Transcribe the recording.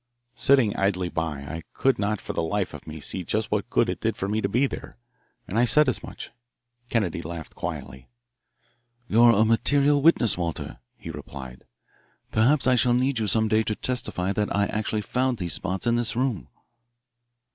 Sitting idly by, I could not for the life of me see just what good it did for me to be there, and I said as much. Kennedy laughed quietly. "You're a material witness, Walter," he replied. "Perhaps I shall need you some day to testify that I actually found these spots in this room."